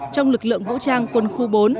trong lực lượng vũ trang quân khu bốn